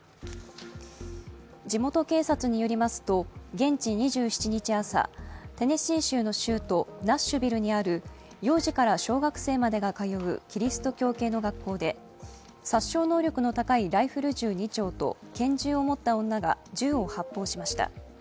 地元警察によりますと現地２７日朝テネシー州の州都ナッシュビルにある幼児から小学生までが通うキリスト教系の学校で殺傷能力の高いライフル銃２丁と拳銃を持った女が銃を発砲しました。